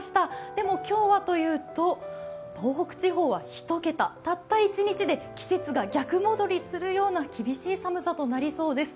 でも今日はというと、東北地方は１桁、たった一日で季節が逆戻りするような厳しい寒さとなりそうです。